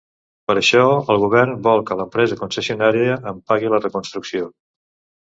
Per això, el govern vol que l’empresa concessionària en pagui la reconstrucció.